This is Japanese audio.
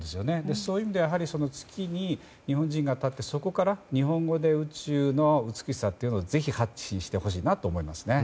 そういう意味では月に日本人が立ってそこから日本語で宇宙の美しさというものをぜひ発信してほしいなと思います。